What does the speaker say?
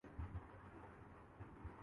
ایک پوری لائن ہے۔